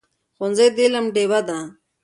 ښوونځی د علم ډېوه ده.